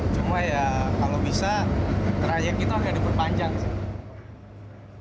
cuma ya kalau bisa trayek itu agak diperpanjang sih